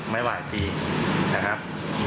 ไม่ไหวครับ